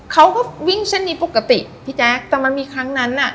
เขาก็วิ่งเส้นนี้ปกติพี่แจ๊คแต่มันมีครั้งนั้นอ่ะ